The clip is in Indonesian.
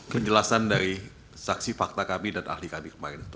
penjelasan dari saksi fakta kami dan ahli kami kemarin